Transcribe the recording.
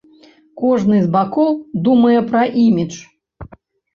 Кожны з бакоў думае пра імідж.